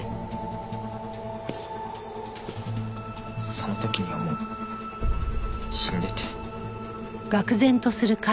その時にはもう死んでて。